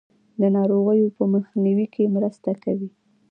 د ناروغیو په مخنیوي کې مرسته کوي.